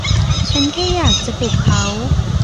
ฉันแค่อยากจะปลุกเขา